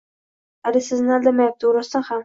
Ali sizni aldamayapti, u rostdan ham